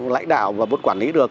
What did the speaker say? lãnh đạo và muốn quản lý được